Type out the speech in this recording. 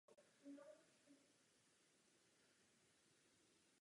Poté studoval dvouletou zemědělskou školu.